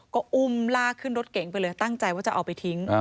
ก็อุ้มลากขึ้นรถเก๋งไปเลยตั้งใจว่าจะเอาไปทิ้ง